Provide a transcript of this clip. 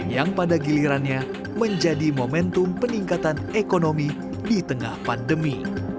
yang pada gilirannya menjadi momentum peningkatan ekonomi di tengah pandemi